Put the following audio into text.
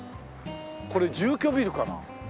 これ住居ビルかな？